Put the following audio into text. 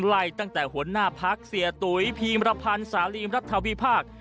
ไล่ตั้งแต่หัวหน้าพักเสียตุ๋ยพีมรพันธ์สาลีมรัฐวิพากษ์